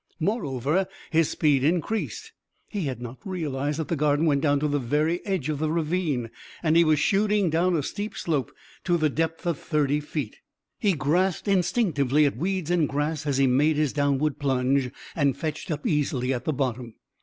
Moreover, his speed increased. He had not realized that the garden went to the very edge of the ravine, and he was shooting down a steep slope to the depth of thirty feet. He grasped instinctively at weeds and grass as he made his downward plunge and fetched up easily at the bottom.